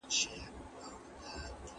لښتې له غره څخه تودې شيدې کيږدۍ ته راوړې.